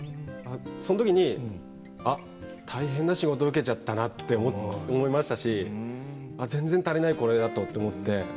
そのときにあっ、大変な仕事を受けちゃったなと思いましたし全然足りない、これはと思って。